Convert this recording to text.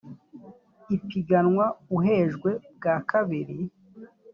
upiganwa uhejwe bwa kabiri